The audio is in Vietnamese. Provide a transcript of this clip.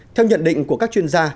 theo nhận định của các chuyên gia